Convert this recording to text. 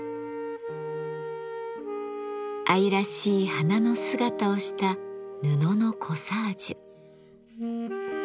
愛らしい花の姿をした布のコサージュ。